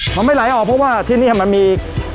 มันไม่ไหลออกเพราะว่าที่นี่มันมี